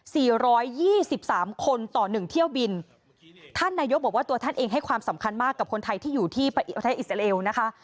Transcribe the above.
ร้อยยี่สิบสามคนต่อหนึ่งเที่ยวบินท่านนายกบอกว่าตัวท่านเองให้ความสำคัญมากกับคนไทยที่อยู่ที่ประเทศอิสราเอลนะคะ